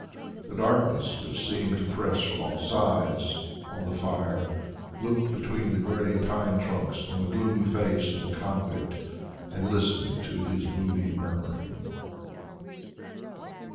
The darkness which seemed to press from all sides on the fire looked between the grey pine trunks on the gloomy face of the convict, and listened to his moody murmuring.